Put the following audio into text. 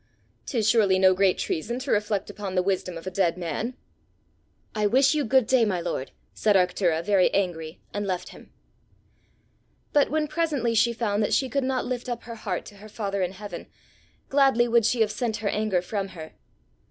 'Tis surely no great treason to reflect upon the wisdom of a dead man!" "I wish you good day, my lord!" said Arctura, very angry, and left him. But when presently she found that she could not lift up her heart to her father in heaven, gladly would she have sent her anger from her.